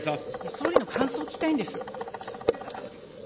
総理の感想を聞きたいんです。